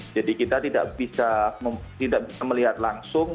jadi kita tidak bisa melihat langsung